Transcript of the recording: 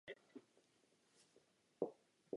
Něco se pohybuje kolem stanu.